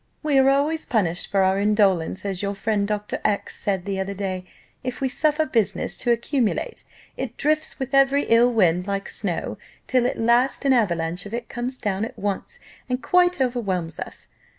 We are always punished for our indolence, as your friend Dr. X said the other day: if we suffer business to accumulate, it drifts with every ill wind like snow, till at last an avalanche of it comes down at once, and quite overwhelms us.